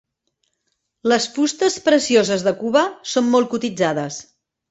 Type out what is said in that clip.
Les fustes precioses de Cuba són molt cotitzades.